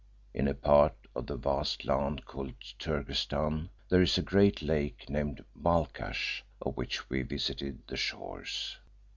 In a part of the vast land called Turkestan there is a great lake named Balhkash, of which we visited the shores.